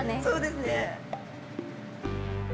そうですね。